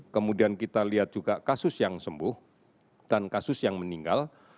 kemudian kita lihat juga kasus yang sembuh dan kasus yang meninggal